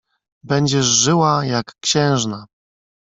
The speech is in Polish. "Będziesz żyła, jak księżna“."